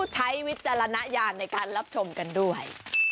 วิจารณญาณในการรับชมกันด้วย